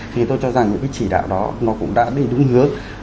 thì tôi cho rằng những cái chỉ đạo đó nó cũng đã đi đúng hướng